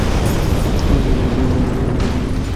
বৈকালের দিকে গঙ্গানন্দপুরে গিয়া পৌঁছিল।